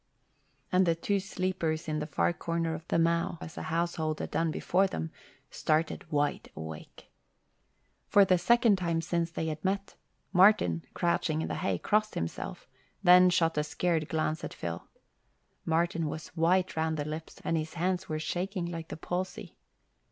And the two sleepers in the far corner of the mow, as the household had done before them, started wide awake. For the second time since they had met, Martin, crouching in the hay, crossed himself, then shot a scared glance at Phil. Martin was white round the lips and his hands were shaking like the palsy.